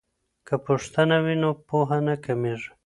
که پوښتنه وي نو پوهه نه کمیږي.